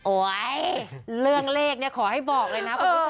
เรื่องเลขเนี่ยขอให้บอกเลยนะคุณผู้ชม